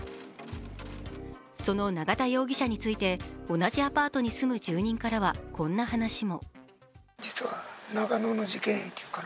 その永田容疑者について同じアパートに住む住人からはこんな話も。